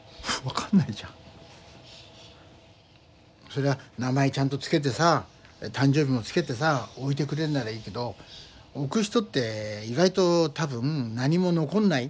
そりゃ名前ちゃんとつけてさ誕生日もつけてさ置いてくれるならいいけど置く人って意外と多分何も残んない。